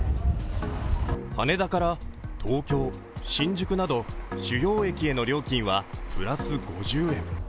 羽田から東京、新宿など主要駅への料金はプラス５０円。